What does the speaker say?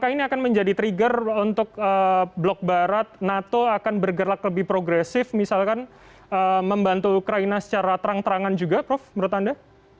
apakah ini akan menjadi trigger untuk blok barat nato akan bergerak lebih progresif misalkan membantu ukraina secara terang terangan juga prof menurut anda